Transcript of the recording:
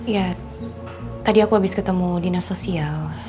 ya tadi aku habis ketemu dinas sosial